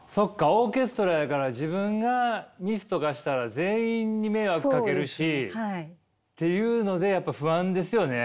オーケストラやから自分がミスとかしたら全員に迷惑かけるしっていうのでやっぱ不安ですよね。